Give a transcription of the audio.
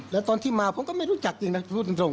แล้วตอนที่มาผมก็ไม่รู้จักจริงนะพูดตรง